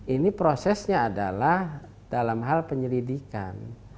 ini prosesnya adalah dalam hal penyelidikan